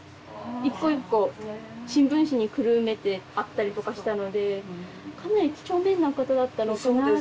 一個一個新聞紙にくるめてあったりとかしたのでかなり几帳面な方だったのかなと思います。